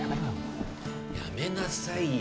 やめなさいよ